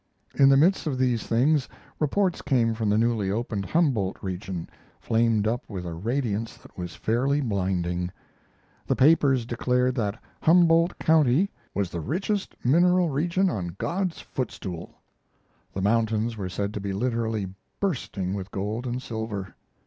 In the midst of these things reports came from the newly opened Humboldt region flamed up with a radiance that was fairly blinding. The papers declared that Humboldt County "was the richest mineral region on God's footstool." The mountains were said to be literally bursting with gold and silver.